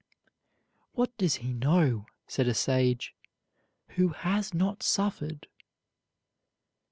"What does he know," said a sage, "who has not suffered?"